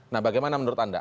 nah bagaimana menurut anda